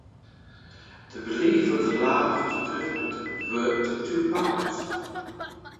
The relief of the Last Judgment was worked in two parts.